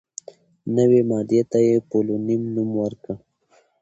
نوې ماده ته یې «پولونیم» نوم ورکړ.